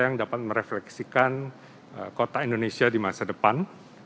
yang dapat merefleksikan kota indonesia di masa depan